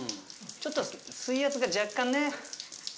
ちょっと水圧が若干ね。